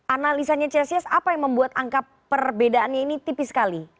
analisanya csis apa yang membuat angka perbedaannya ini tipis sekali